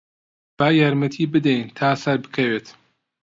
با یارمەتیی بدەین تا سەربکەوێت.